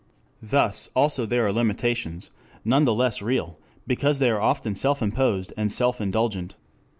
Thus also there are limitations, none the less real, because they are often self imposed and self indulgent.